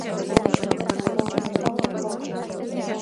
ხიდი გამოიყენება როგორც ფეხით, ასევე ტრანსპორტით გადასაადგილებლად.